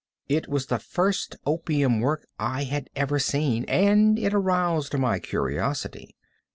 It was the first opium work I had ever seen, and it aroused my curiosity.